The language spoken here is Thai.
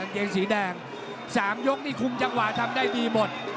เกงสีแดง๓ยกนี่คุมจังหวะทำได้ดีหมด